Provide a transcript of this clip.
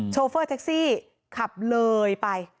โชเฟอร์แท็กซี่ขับเลยไป